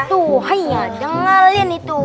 tuh haiyaa denger liat itu